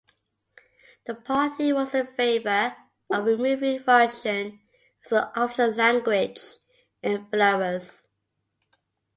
The party was in favor of removing Russian as an official language in Belarus.